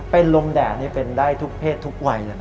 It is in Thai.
เป็นลมแดดเป็นได้ทุกเพศทุกวัย